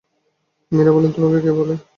মীরা বললেন, তোমাকে কে বলল?